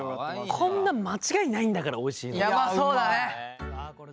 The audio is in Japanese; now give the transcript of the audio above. こんなん間違いないんだからおいしいのは。